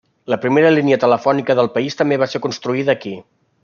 La primera línia telefònica del país també va ser construïda aquí.